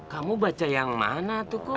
kamu baca yang mana tuh kok